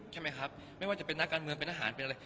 ใช่ไหมครับไม่ว่าจะเป็นนักการเมืองเป็นทหารเป็นอะไร